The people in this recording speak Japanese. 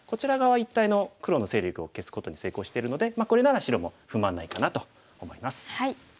一帯の黒の勢力を消すことに成功してるのでこれなら白も不満ないかなと思います。